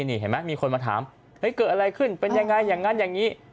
นี่เห็นไหมมีคนมาถามเกิดอะไรขึ้นเป็นยังไงอย่างนั้นอย่างนี้